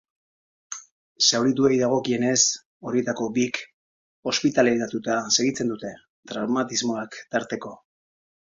Zaurituei dagokienez, horietako bik ospitaleratuta segitzen dute, traumatismoak tarteko.